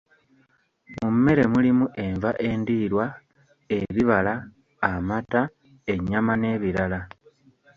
Mu mmere mulimu enva endiirwa, ebibala, amata, ennyama, n'ebirala